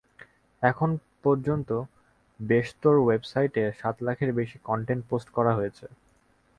এখন পর্যন্ত বেশতোর ওয়েবসাইটে সাত লাখের বেশি কনটেন্ট পোস্ট করা হয়েছে।